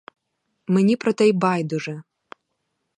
Мені про те й байдуже.